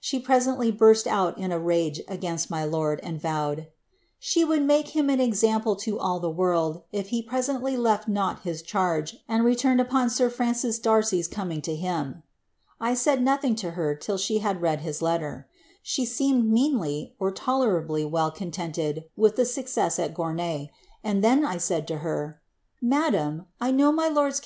She presently burst out in a rage against ny lord, and vowed, ^ she would make him an example to all the world if ne presently lefl not his charge, and returned upon sir Francis Darcy 's eoming to him.' 1 said nothing to her till she had read his letter. She seemed meanly (tolerably) well contented with the success at Gornye , VOL. TIL —// Ciiri' V tl.. n k..i.lv r.'.i ii,.' h.' »UI iM u'<m; il> lljr . ruiiimv loni: l>.